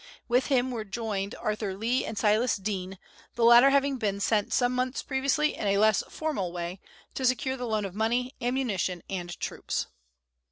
With him were joined Arthur Lee and Silas Deane, the latter having been sent some months previously in a less formal way, to secure the loan of money, ammunition, and troops.